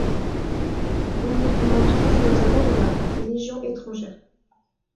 On en trouve notamment dans la Légion étrangère.